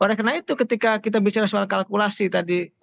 oleh karena itu ketika kita bicara soal kalkulasi tadi